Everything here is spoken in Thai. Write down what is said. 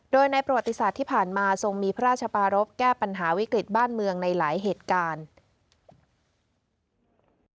โดยในประวัติศาสตร์ที่ผ่านมาทรงมีพระราชปารพแก้ปัญหาวิกฤตบ้านเมืองในหลายเหตุการณ์